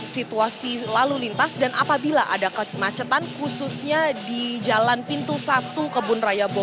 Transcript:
situasi lalu lintas dan apabila ada kemacetan khususnya di jalan pintu satu kebun raya bogor